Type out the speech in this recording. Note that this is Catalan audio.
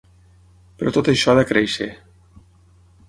Però tot això ha de créixer.